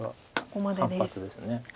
ここまでです。